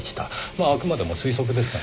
まああくまでも推測ですがね。